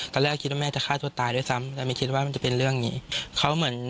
ตอนแรกคิดว่าแม่จะฆ่าตัวตายด้วยซ้ำแต่ไม่คิดว่ามันจะเป็นเรื่องอย่างงี้เขาเหมือน